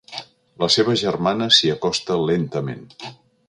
La seva germana s'hi acosta lentament.